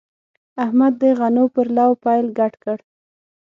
احمد د غنو پر لو پیل ګډ کړ.